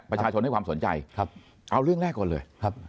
ประชาชนให้ความสนใจเอาเรื่องแรกก่อนเลย